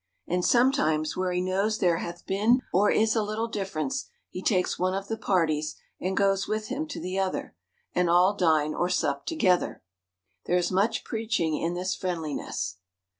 And sometimes where he knows there hath been or is a little difference, he takes one of the parties, and goes with him to the other ; and all dine or sup together. There is much preaching in this friendliness.